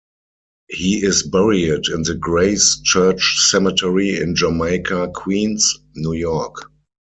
He is buried in the Grace Church Cemetery in Jamaica, Queens, New York.